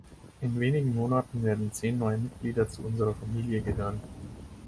In wenigen Monaten werden zehn neue Mitglieder zu unserer Familie gehören.